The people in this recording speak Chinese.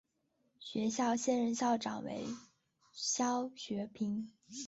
学校现任校长为肖学平。